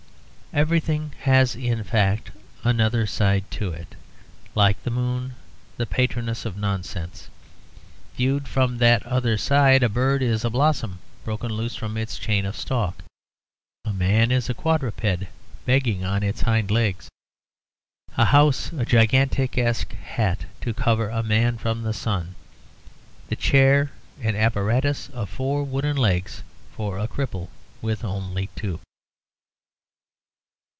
Everything has in fact another side to it, like the moon, the patroness of nonsense. Viewed from that other side, a bird is a blossom broken loose from its chain of stalk, a man a quadruped begging on its hind legs, a house a gigantesque hat to cover a man from the sun, a chair an apparatus of four wooden legs for a cripple with only two.